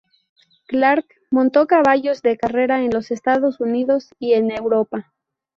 Clark montó caballos de carrera en los Estados Unidos y en Europa.